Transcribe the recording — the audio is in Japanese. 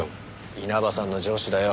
稲葉さんの上司だよ。